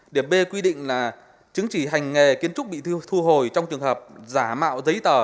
điểm b quy định là chứng chỉ hành nghề kiến trúc bị thu hồi trong trường hợp giả mạo giấy tờ